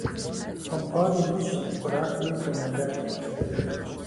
ХъымпIар имыщIт, кърахми пу нэлат.